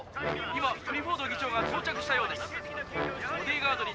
今クリフォード議長が到着したようです」。